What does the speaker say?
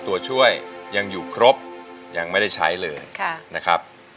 ตัวช่วยยังอยู่ครบยังไม่ได้ใช้เลยนะครับ